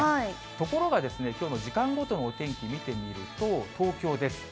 ところが、きょうの時間ごとのお天気見てみると、東京です。